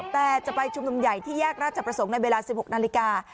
แต่จะไปชุมนุมใหญ่ที่แยกราชประสงค์ในเวลา๑๖นาฬิกา